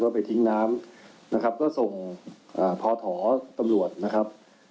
ไปทิ้งน้ำนะครับก็ส่งพอถอตำรวจนะครับ